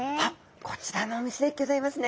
こちらのお店でギョざいますね。